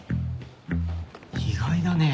意外だね。